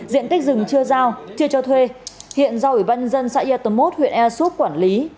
diện tích rừng chưa giao chưa cho thuê hiện giao ủy ban dân xã yatomot huyện easup quản lý